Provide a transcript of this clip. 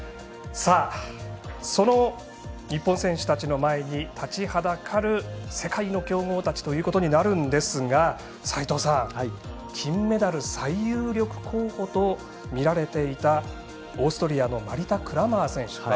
その日本選手たちの前に立ちはだかる世界の強豪たちということになるんですが齋藤さん、金メダル最有力候補とみられていたオーストリアのマリタ・クラマー選手。